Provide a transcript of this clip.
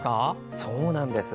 そうなんです。